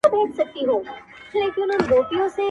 چي موږ ټوله په یوه ژبه ګړېږو-